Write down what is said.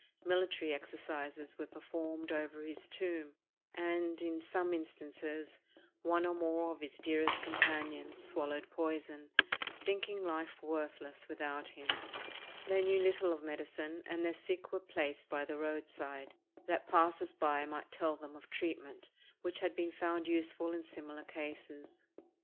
Military exercises were performed over his tomb, and, in some instances, one or more of his dearest companions swallowed poison, thinking life worthless without him. They knew little of medicine, and their sick were placed by the roadside, that passers by might tell them of treatment which had been found useful in similar cases.